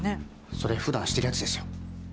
それ普段してるやつですよ。